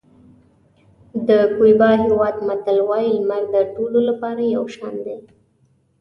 د کیوبا هېواد متل وایي لمر د ټولو لپاره یو شان دی.